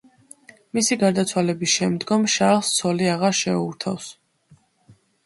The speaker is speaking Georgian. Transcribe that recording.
მისი გარდაცვალების შემდგომ შარლს ცოლი აღარ შეურთავს.